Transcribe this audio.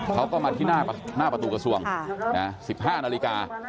เขาก็มาที่หน้าประตูกระทรวง๑๕นาฬิกา